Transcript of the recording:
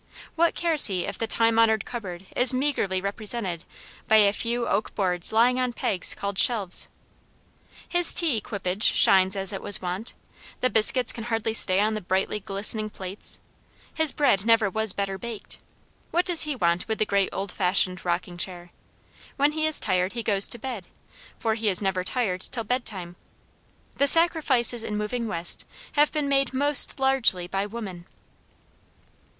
What cares he if the time honored cupboard is meagerly represented by a few oak boards lying on pegs called shelves. His tea equipage shines as it was wont, the biscuits can hardly stay on the brightly glistening plates. His bread never was better baked. What does he want with the great old fashioned rocking chair? When he is tired he goes to bed, for he is never tired till bed time. The sacrifices in moving West have been made most largely by women."